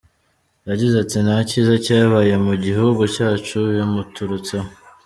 Yagize ati “Nta cyiza cyabaye mu gihugu cyacu bimuturutseho.